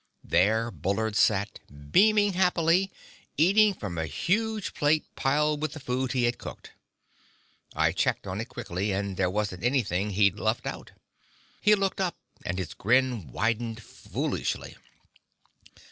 There Bullard sat, beaming happily, eating from a huge plate piled with the food he had cooked. I checked on it quickly and there wasn't anything he'd left out. He looked up, and his grin widened foolishly.